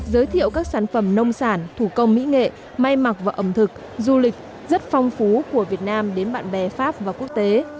giới thiệu các sản phẩm nông sản thủ công mỹ nghệ may mặc và ẩm thực du lịch rất phong phú của việt nam đến bạn bè pháp và quốc tế